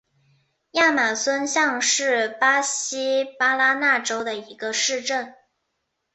亚马孙港是巴西巴拉那州的一个市镇。